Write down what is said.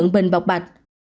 bình bọc bạch